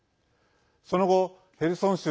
その後ヘルソン州